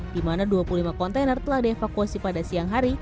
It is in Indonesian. di mana dua puluh lima kontainer telah dievakuasi pada siang hari